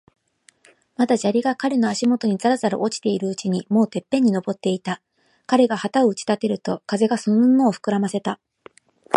まだ砂利が彼の足もとにざらざら落ちているうちに、もうてっぺんに登っていた。彼が旗を打ち立てると、風がその布をふくらませた。